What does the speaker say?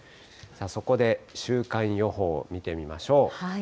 そこで、週間予報見てみましょう。